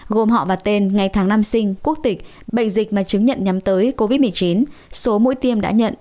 gồm họ và tên ngày tháng năm sinh quốc tịch bệnh dịch mà chứng nhận nhắm tới covid một mươi chín số mũi tiêm đã nhận